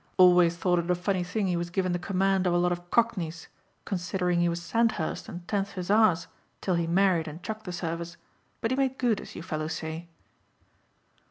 Always thought it a funny thing he was given the command of a lot of cockneys considering he was Sandhurst and Tenth Hussars till he married and chucked the service, but he made good as you fellows say."